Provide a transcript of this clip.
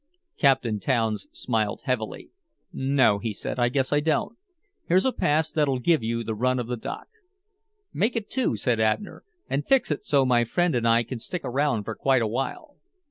Captain Townes smiled heavily. "No," he said, "I guess I don't. Here's a pass that'll give you the run of the dock." "Make it two," said Abner, "and fix it so my friend and I can stick around for quite a while."